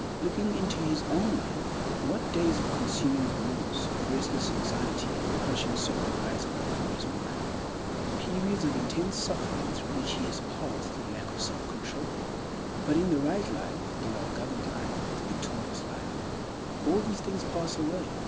Looking into his own life, what days of consuming remorse, of restless anxiety, and of crushing sorrow rise up before his mind—periods of intense suffering through which he has passed through lack of selfcontrol. But in the right life, the well governed life, the victorious life, all these things pass away.